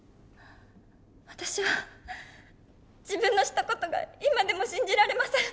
私は自分のした事が今でも信じられません。